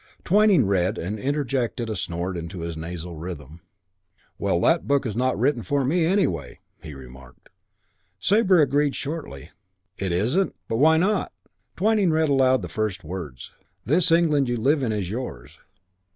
Twyning read and interjected a snort into his nasal rhythm. "Well, that book's not written for me, anyway," he remarked. Sabre agreed shortly. "It isn't. But why not?" Twyning read aloud the first words. "'This England you live in is yours.'